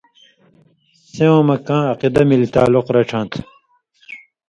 سیوں مہ کاں عقیدہ مِلیۡ تعلق رڇھاں تھہ